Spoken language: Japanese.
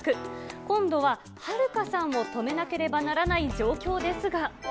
今度ははるかさんを止めなければならない状況ですが。